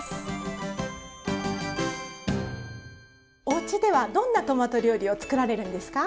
おうちではどんなトマト料理を作られるんですか？